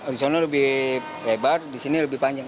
di sana lebih lebar di sini lebih panjang